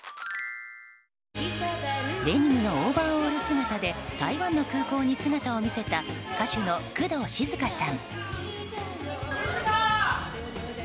デニムのオーバーオール姿で台湾の空港に姿を見せた歌手の工藤静香さん。